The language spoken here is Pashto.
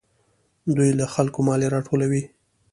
دوی له خلکو مالیه راټولوي.